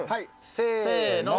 せの。